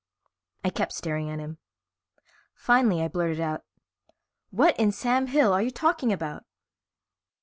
I kept staring at him. Finally I blurted out, "What in Sam Hill are you talking about?"